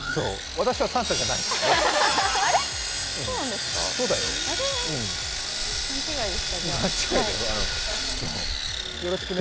私はサンタじゃないからね。